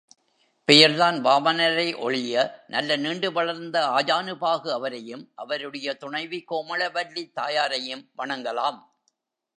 பெயர் தான் வாமனரே ஒழிய நல்ல நீண்டு வளர்ந்த ஆஜானுபாகு அவரையும் அவருடைய துணைவி கோமளவல்லித் தாயாரையும் வணங்கலாம்.